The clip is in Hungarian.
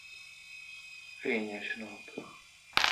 Fényes nap!